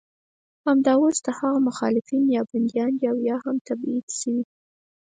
همدا اوس د هغه مخالفین یا بندیان دي او یا هم تبعید شوي.